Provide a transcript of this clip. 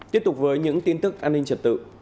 tiếp tục với những tin tức an ninh trật tự